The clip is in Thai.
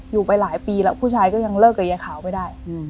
อยู่ไปหลายปีแล้วผู้ชายก็ยังเลิกกับยายขาวไม่ได้